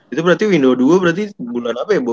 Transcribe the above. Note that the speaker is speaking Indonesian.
itu berarti window dua berarti bulan apa ya bu